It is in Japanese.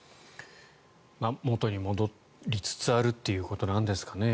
元に戻りつつあるということなんですかね。